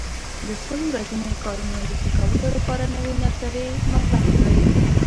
د خپلو ورځنیو کارونو د ښه کولو لپاره نوې نظریې مطرح کړئ.